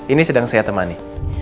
ini sedang saya temani